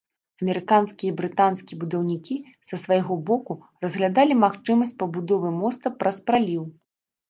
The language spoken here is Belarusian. Амерыканскія і брытанскія будаўнікі, са свайго боку, разглядалі магчымасць пабудовы моста праз праліў.